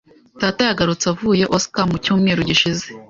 Data yagarutse avuye Osaka mu cyumweru gishize.